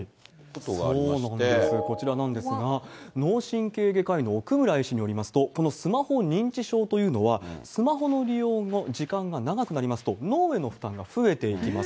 そうなんですよ、こちらなんですが、脳神経外科医の奥村医師によりますと、このスマホ認知症というのは、スマホの利用の時間が長くなりますと、脳への負担が増えていきます。